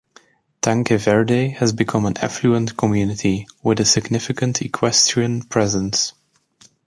Tanque Verde has become an affluent community, with a significant equestrian presence.